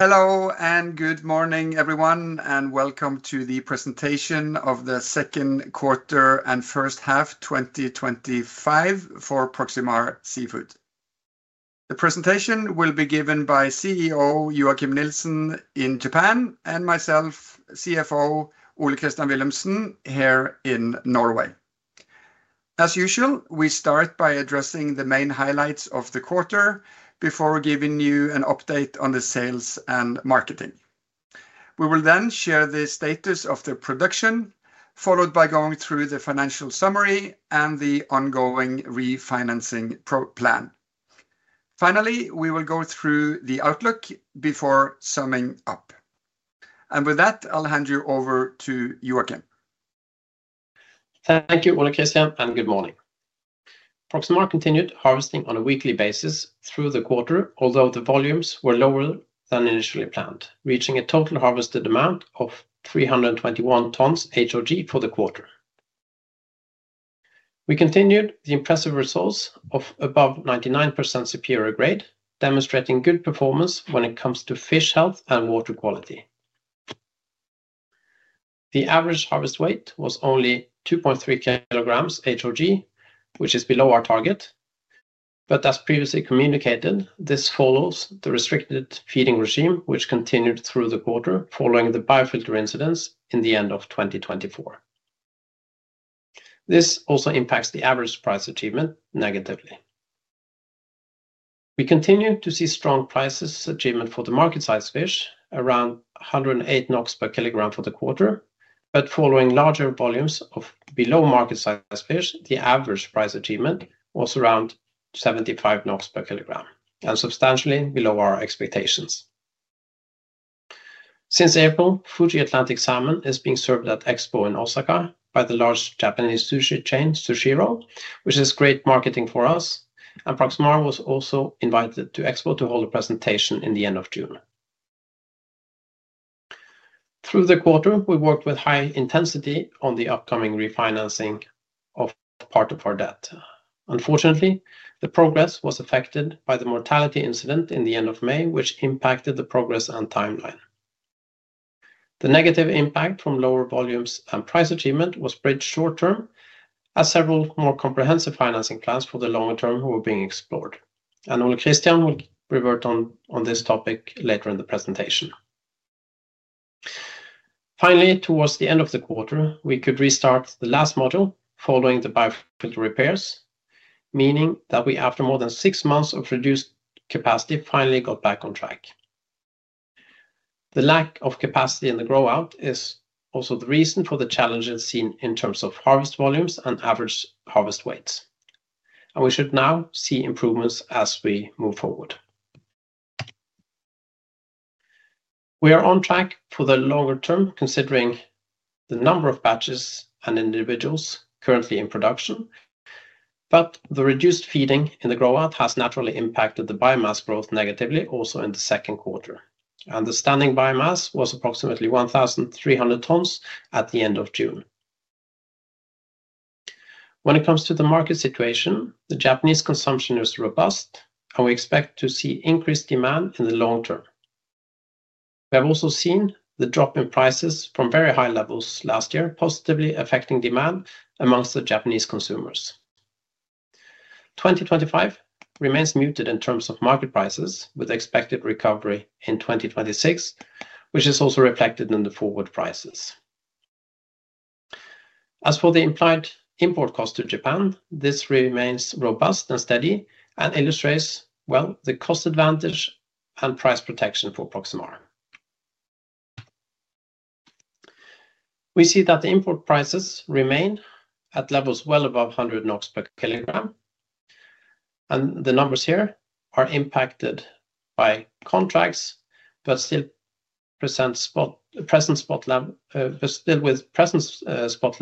Hello and good morning, everyone, and welcome to the presentation of the second quarter and first half 2025 for Proximar Seafood. The presentation will be given by CEO Joachim Nielsen in Japan and myself, CFO Ole Christian Willumsen, here in Norway. As usual, we start by addressing the main highlights of the quarter before giving you an update on the sales and marketing. We will then share the status of the production, followed by going through the financial summary and the ongoing refinancing plan. Finally, we will go through the outlook before summing up. With that, I'll hand you over to Joachim. Thank you, Ole Christian, and good morning. Proximar continued harvesting on a weekly basis through the quarter, although the volumes were lower than initially planned, reaching a total harvested amount of 321 tons HOG for the quarter. We continued with the impressive results of above 99% superior grade, demonstrating good performance when it comes to fish health and water quality. The average harvest weight was only 2.3 kg HOG, which is below our target. As previously communicated, this follows the restricted feeding regime, which continued through the quarter following the biofilter incidents in the end of 2023. This also impacts the average price achievement negatively. We continued to see strong price achievement for the market-sized fish, around 108 NOK per kg for the quarter. Following larger volumes of below-market-sized fish, the average price achievement was around 75 per kg, and substantially below our expectations. Since April, Fuji Atlantic Salmon is being served at Expo in Osaka by the large Japanese sushi chain Sushiro, which is great marketing for us. Proximar was also invited to Expo to hold a presentation in the end of June. Through the quarter, we worked with high intensity on the upcoming refinancing of part of our debt. Unfortunately, the progress was affected by the mortality incident in the end of May, which impacted the progress and timeline. The negative impact from lower volumes and price achievement was bridged short term, as several more comprehensive financing plans for the longer term were being explored. Ole Christian will revert on this topic later in the presentation. Finally, towards the end of the quarter, we could restart the last module following the biofilter repairs, meaning that we, after more than six months of reduced capacity, finally got back on track. The lack of capacity in the grow-out is also the reason for the challenges seen in terms of harvest volumes and average harvest weights. We should now see improvements as we move forward. We are on track for the longer term, considering the number of batches and individuals currently in production. The reduced feeding in the grow-out has naturally impacted the biomass growth negatively, also in the second quarter. The standing biomass was approximately 1,300 tons at the end of June. When it comes to the market situation, the Japanese consumption is robust, and we expect to see increased demand in the long term. We have also seen the drop in prices from very high levels last year, positively affecting demand amongst the Japanese consumers. 2025 remains muted in terms of market prices, with expected recovery in 2026, which is also reflected in the forward prices. As for the implied import cost to Japan, this remains robust and steady and illustrates well the cost advantage and price protection for Proximar. We see that the import prices remain at levels well above 100 NOK per kg. The numbers here are impacted by contracts, but still with present spot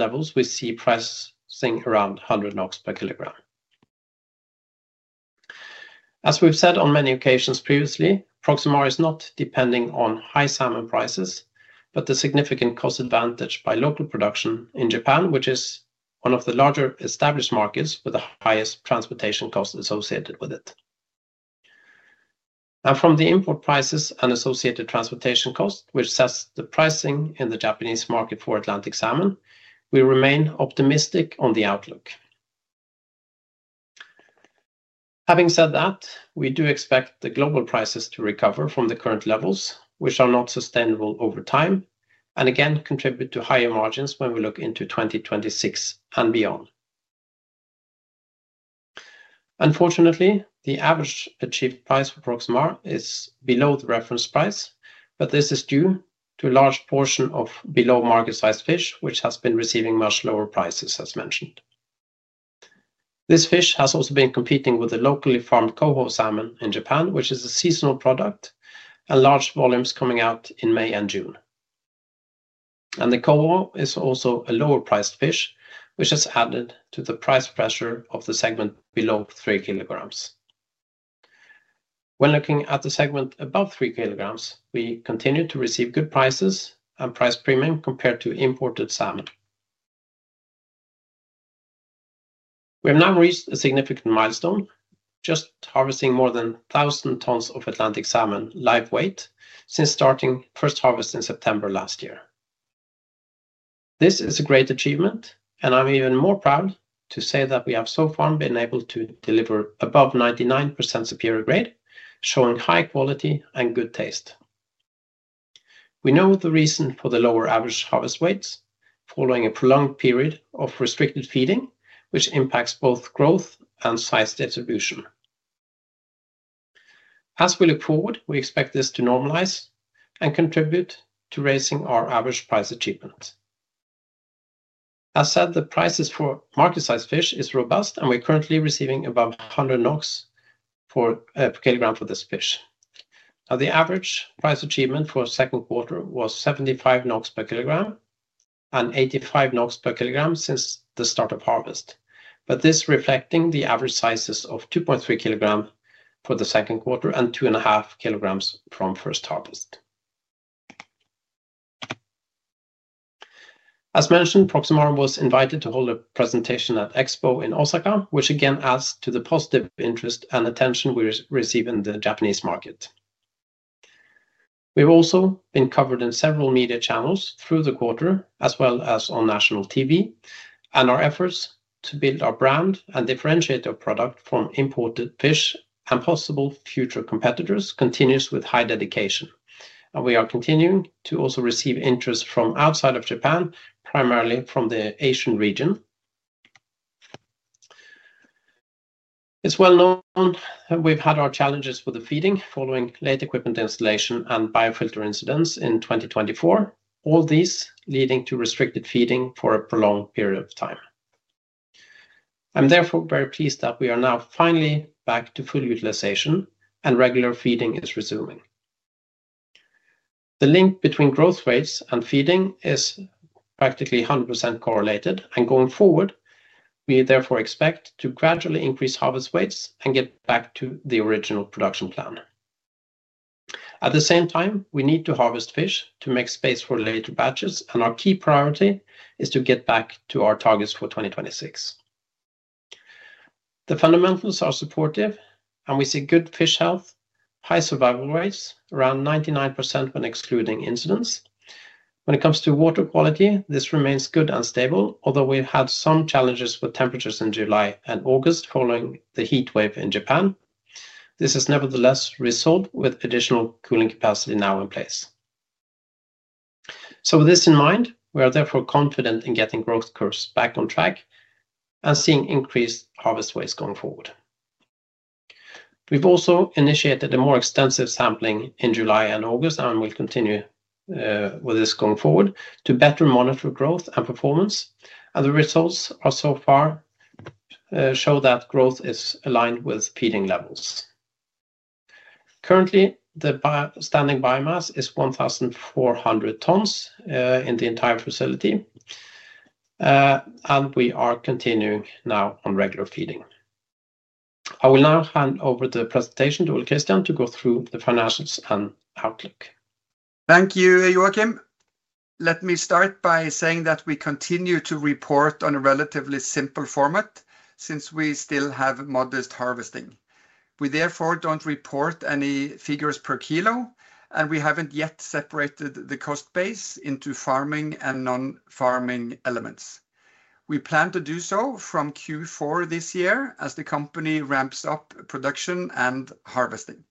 levels, we see pricing around NOK 100 per kg. As we've said on many occasions previously, Proximar is not depending on high salmon prices, but the significant cost advantage by local production in Japan, which is one of the larger established markets with the highest transportation costs associated with it. From the import prices and associated transportation costs, which sets the pricing in the Japanese market for Atlantic salmon, we remain optimistic on the outlook. Having said that, we do expect the global prices to recover from the current levels, which are not sustainable over time, and again contribute to higher margins when we look into 2026 and beyond. Unfortunately, the average achieved price for Proximar is below the reference price, but this is due to a large portion of below-market-sized fish, which has been receiving much lower prices, as mentioned. This fish has also been competing with the locally farmed [Koji] salmon in Japan, which is a seasonal product, and large volumes coming out in May and June. The [Koji] is also a lower-priced fish, which has added to the price pressure of the segment below three kilograms. When looking at the segment above three kilograms, we continue to receive good prices and price premium compared to imported salmon. We have now reached a significant milestone, just harvesting more than 1,000 tons of Atlantic salmon live weight since starting first harvest in September last year. This is a great achievement, and I'm even more proud to say that we have so far been able to deliver above 99% superior grade, showing high quality and good taste. We know the reason for the lower average harvest weights following a prolonged period of restricted feeding, which impacts both growth and size distribution. As we look forward, we expect this to normalize and contribute to raising our average price achievement. As said, the prices for market-sized fish are robust, and we're currently receiving above 1000 NOK per kg for this fish. Now, the average price achievement for the second quarter was 750 NOK per kg and 850 NOK per kg since the start of harvest. This is reflecting the average sizes of 2.3 kg for the second quarter and 2.5 kg from first harvest. As mentioned, Proximar was invited to hold a presentation at Expo in Osaka, which again adds to the positive interest and attention we receive in the Japanese market. We've also been covered in several media channels through the quarter, as well as on national TV, and our efforts to build our brand and differentiate our product from imported fish and possible future competitors continue with high dedication. We are continuing to also receive interest from outside of Japan, primarily from the Asian region. It's well known that we've had our challenges with the feeding following late equipment installation and biofilter incidents in 2024, all these leading to restricted feeding for a prolonged period of time. I'm therefore very pleased that we are now finally back to full utilization, and regular feeding is resuming. The link between growth weights and feeding is practically 100% correlated, and going forward, we therefore expect to gradually increase harvest weights and get back to the original production plan. At the same time, we need to harvest fish to make space for later batches, and our key priority is to get back to our targets for 2026. The fundamentals are supportive, and we see good fish health, high survival rates, around 99% when excluding incidents. When it comes to water quality, this remains good and stable, although we've had some challenges with temperatures in July and August following the heat wave in Japan. This is nevertheless resolved with additional cooling capacity now in place. With this in mind, we are therefore confident in getting growth curves back on track and seeing increased harvest weights going forward. We've also initiated a more extensive sampling in July and August, and we'll continue with this going forward to better monitor growth and performance. The results so far show that growth is aligned with feeding levels. Currently, the standing biomass is 1,400 tons in the entire facility, and we are continuing now on regular feeding. I will now hand over the presentation to Ole Christian to go through the financials and outlook. Thank you, Joachim. Let me start by saying that we continue to report on a relatively simple format since we still have modest harvesting. We therefore don't report any figures per kilo, and we haven't yet separated the cost base into farming and non-farming elements. We plan to do so from Q4 this year as the company ramps up production and harvesting.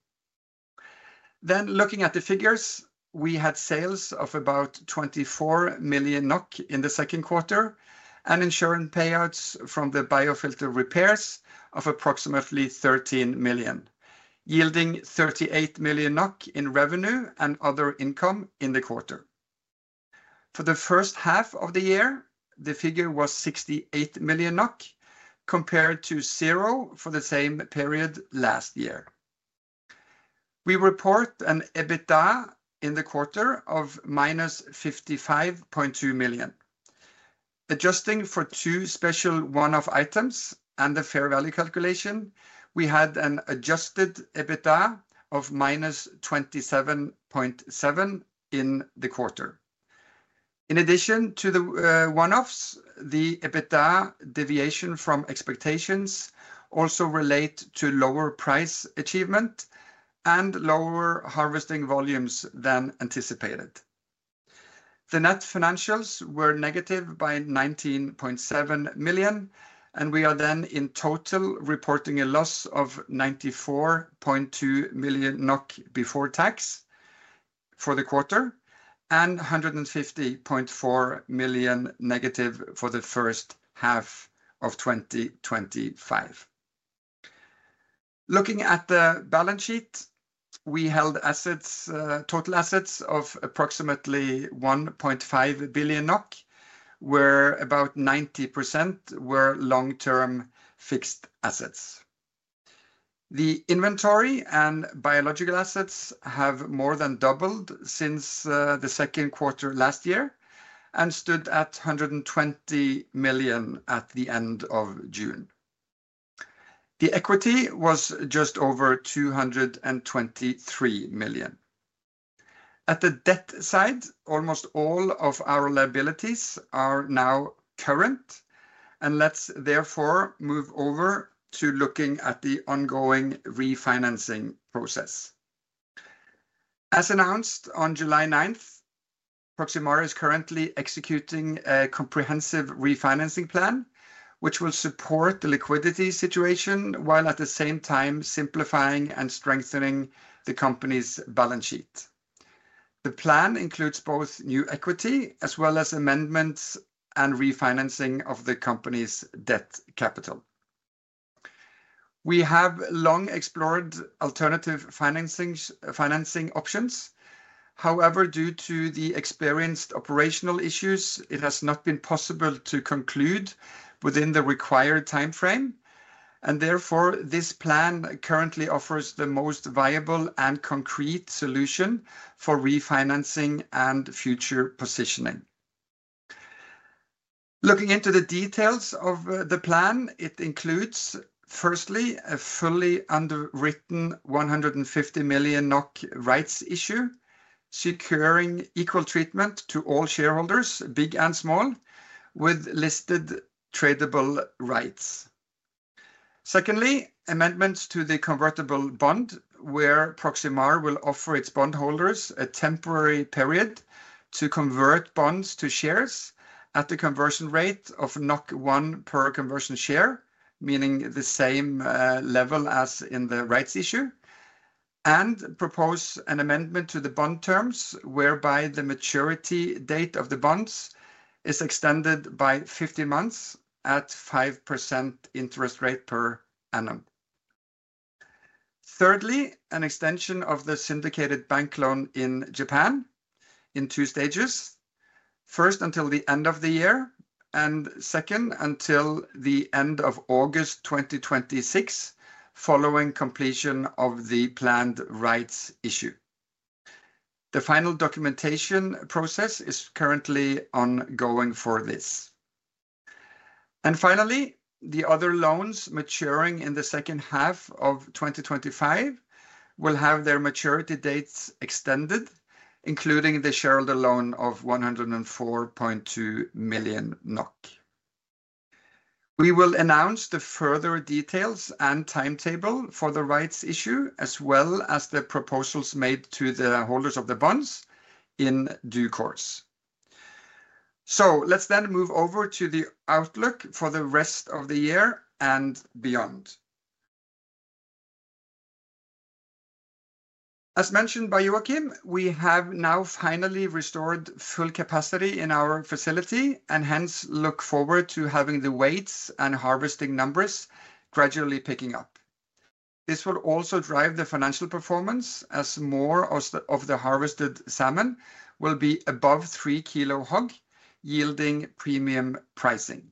Looking at the figures, we had sales of about 24 million NOK in the second quarter and insurance payouts from the biofilter repairs of approximately 13 million, yielding 38 million NOK in revenue and other income in the quarter. For the first half of the year, the figure was 68 million NOK compared to zero for the same period last year. We report an EBITDA in the quarter of -55.2 million. Adjusting for two special one-off items and the fair value calculation, we had an adjusted EBITDA of -27.7 million in the quarter. In addition to the one-offs, the EBITDA deviation from expectations also relates to lower price achievement and lower harvesting volumes than anticipated. The net financials were negative by 19.7 million, and we are then in total reporting a loss of 94.2 million NOK before tax for the quarter and 150.4 million negative for the first half of 2025. Looking at the balance sheet, we held total assets of approximately 1.5 billion NOK, where about 90% were long-term fixed assets. The inventory and biological assets have more than doubled since the second quarter last year and stood at 120 million at the end of June. The equity was just over 223 million. At the debt side, almost all of our liabilities are now current, and let's therefore move over to looking at the ongoing refinancing process. As announced on July 9th, Proximar is currently executing a comprehensive refinancing plan, which will support the liquidity situation while at the same time simplifying and strengthening the company's balance sheet. The plan includes both new equity as well as amendments and refinancing of the company's debt capital. We have long explored alternative financing options. However, due to the experienced operational issues, it has not been possible to conclude within the required timeframe, and therefore this plan currently offers the most viable and concrete solution for refinancing and future positioning. Looking into the details of the plan, it includes, firstly, a fully underwritten 150 million NOK rights issue, securing equal treatment to all shareholders, big and small, with listed tradable rights. Secondly, amendments to the convertible bond, where Proximar will offer its bondholders a temporary period to convert bonds to shares at the conversion rate of 1 per conversion share, meaning the same level as in the rights issue, and propose an amendment to the bond terms whereby the maturity date of the bonds is extended by 15 months at 5% interest rate per annum. Thirdly, an extension of the syndicated bank loan in Japan in two stages, first until the end of the year and second until the end of August 2026, following completion of the planned rights issue. The final documentation process is currently ongoing for this. Finally, the other loans maturing in the second half of 2025 will have their maturity dates extended, including the shareholder loan of 104.2 million NOK. We will announce the further details and timetable for the rights issue, as well as the proposals made to the holders of the bonds in due course. Let's then move over to the outlook for the rest of the year and beyond. As mentioned by Joachim, we have now finally restored full capacity in our facility and hence look forward to having the weights and harvesting numbers gradually picking up. This will also drive the financial performance as more of the harvested salmon will be above three kilo HOG, yielding premium pricing.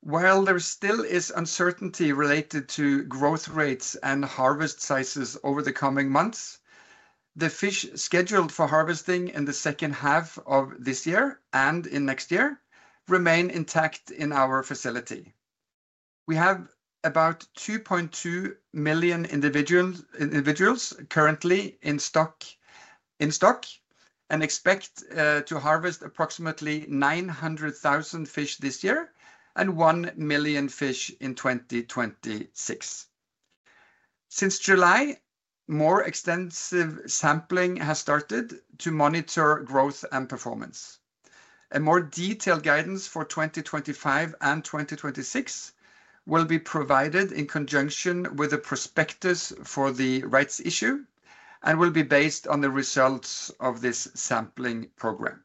While there still is uncertainty related to growth rates and harvest sizes over the coming months, the fish scheduled for harvesting in the second half of this year and in next year remain intact in our facility. We have about 2.2 million individuals currently in stock and expect to harvest approximately 900,000 fish this year and 1 million fish in 2026. Since July, more extensive sampling has started to monitor growth and performance. A more detailed guidance for 2025 and 2026 will be provided in conjunction with the prospectus for the rights issue and will be based on the results of this sampling program.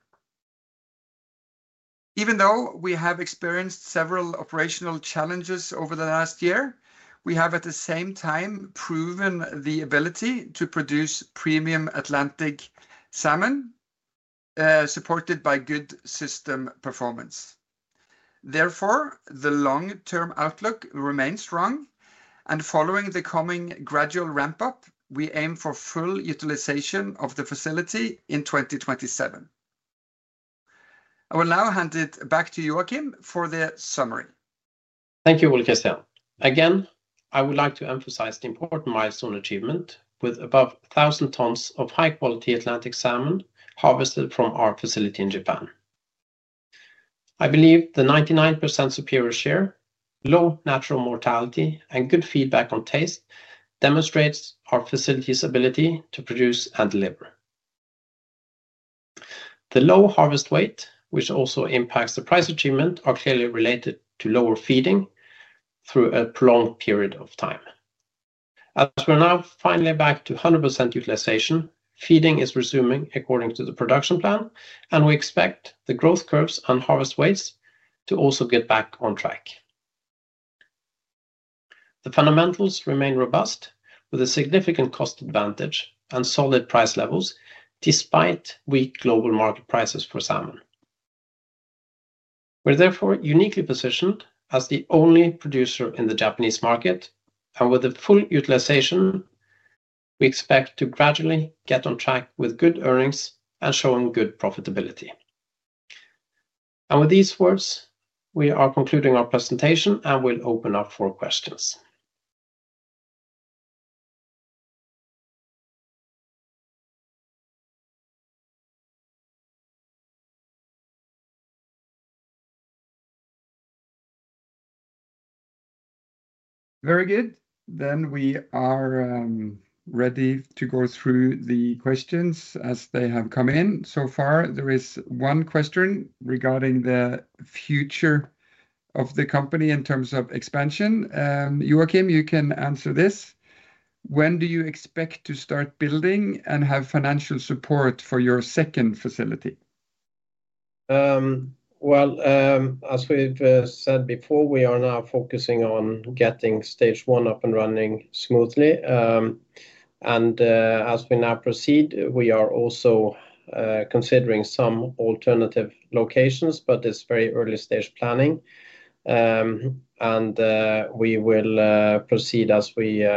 Even though we have experienced several operational challenges over the last year, we have at the same time proven the ability to produce premium Atlantic salmon supported by good system performance. Therefore, the long-term outlook remains strong, and following the coming gradual ramp-up, we aim for full utilization of the facility in 2027. I will now hand it back to Joachim for the summary. Thank you, Ole Christian. Again, I would like to emphasize the important milestone achievement with above 1,000 tons of high-quality Atlantic salmon harvested from our facility in Japan. I believe the 99% superior share, low natural mortality, and good feedback on taste demonstrate our facility's ability to produce and deliver. The low harvest weight, which also impacts the price achievement, is clearly related to lower feeding through a prolonged period of time. As we're now finally back to 100% utilization, feeding is resuming according to the production plan, and we expect the growth curves and harvest weights to also get back on track. The fundamentals remain robust, with a significant cost advantage and solid price levels, despite weak global market prices for salmon. We are therefore uniquely positioned as the only producer in the Japanese market, and with the full utilization, we expect to gradually get on track with good earnings and showing good profitability. With these words, we are concluding our presentation and will open up for questions. Very good. We are ready to go through the questions as they have come in. So far, there is one question regarding the future of the company in terms of expansion. Joachim, you can answer this. When do you expect to start building and have financial support for your second facility? As we've said before, we are now focusing on getting stage one up and running smoothly. As we now proceed, we are also considering some alternative locations, but it's very early stage planning. We will proceed as we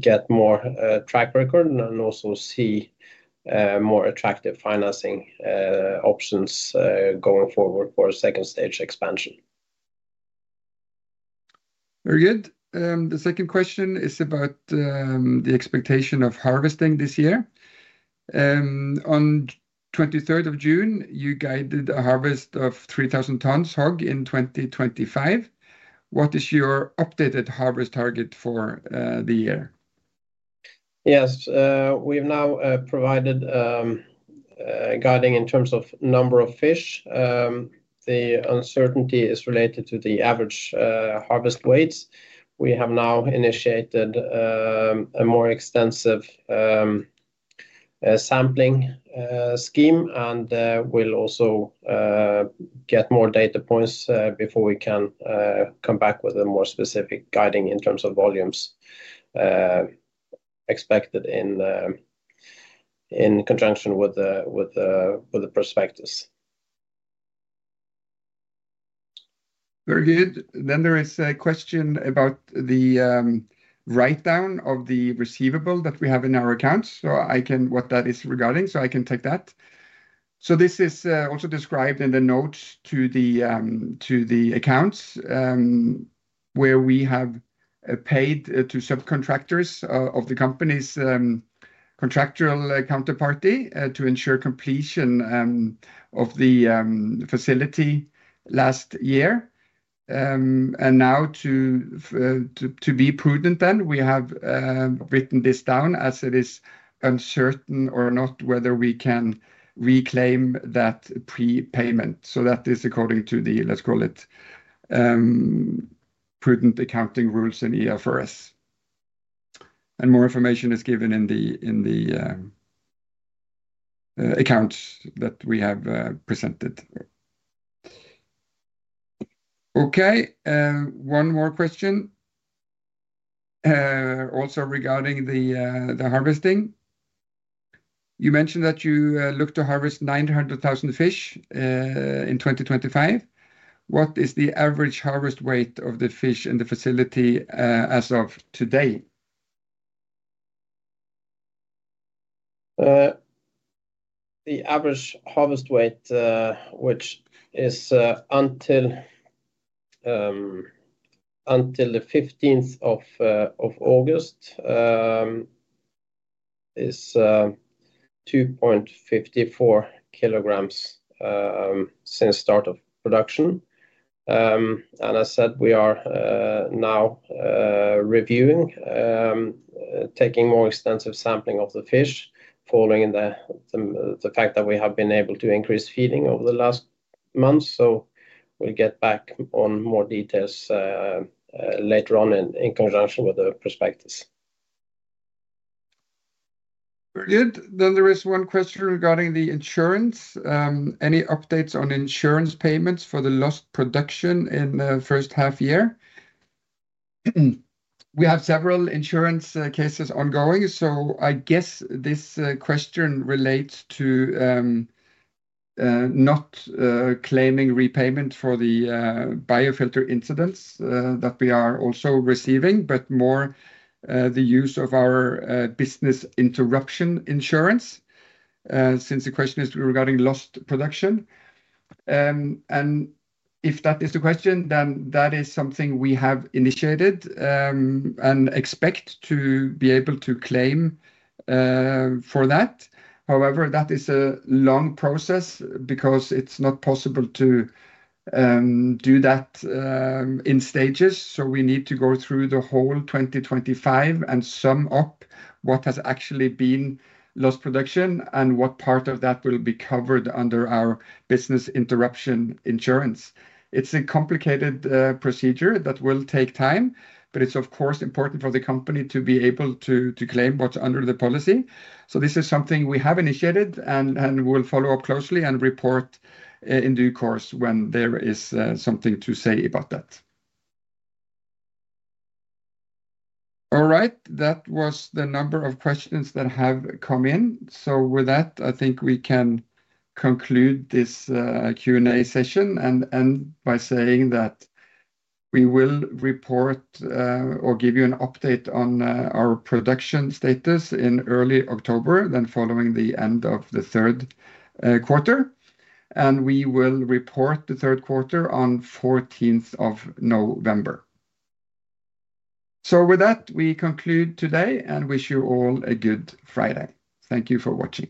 get more track record and also see more attractive financing options going forward for a second stage expansion. Very good. The second question is about the expectation of harvesting this year. On the 23rd of June, you guided a harvest of 3,000 tons HOG in 2025. What is your updated harvest target for the year? Yes, we've now provided guiding in terms of number of fish. The uncertainty is related to the average harvest weights. We have now initiated a more extensive sampling scheme, and we'll also get more data points before we can come back with a more specific guiding in terms of volumes expected in conjunction with the prospectus. Very good. There is a question about the write-down of the receivable that we have in our accounts. I can take that. This is also described in the notes to the accounts where we have paid to subcontractors of the company's contractual counterparty to ensure completion of the facility last year. To be prudent, we have written this down as it is uncertain or not whether we can reclaim that prepayment. That is according to the, let's call it, prudent accounting rules in IFRS. More information is given in the accounts that we have presented. Okay, one more question. Also regarding the harvesting, you mentioned that you look to harvest 900,000 fish in 2025. What is the average harvest weight of the fish in the facility as of today? The average harvest weight, which is until the 15th of August, is 2.54 kg since start of production. As I said, we are now reviewing, taking more extensive sampling of the fish, following the fact that we have been able to increase feeding over the last month. We'll get back on more details later on in conjunction with the prospectus. Very good. There is one question regarding the insurance. Any updates on insurance payments for the lost production in the first half year? We have several insurance cases ongoing, so I guess this question relates to not claiming repayment for the biofilter incidents that we are also receiving, but more the use of our business interruption insurance since the question is regarding lost production. If that is the question, that is something we have initiated and expect to be able to claim for that. However, that is a long process because it's not possible to do that in stages. We need to go through the whole 2025 and sum up what has actually been lost production and what part of that will be covered under our business interruption insurance. It's a complicated procedure that will take time, but it's, of course, important for the company to be able to claim what's under the policy. This is something we have initiated and will follow up closely and report in due course when there is something to say about that. All right, that was the number of questions that have come in. With that, I think we can conclude this Q&A session and end by saying that we will report or give you an update on our production status in early October, following the end of the third quarter. We will report the third quarter on the 14th of November. With that, we conclude today and wish you all a good Friday. Thank you for watching.